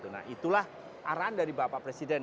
nah itulah arahan dari bapak presiden